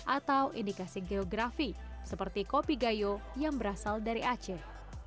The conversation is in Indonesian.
atau indikasi geografi seperti kopi gayo yang berasal dari aceh